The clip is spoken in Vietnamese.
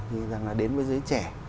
thì rằng là đến với giới trẻ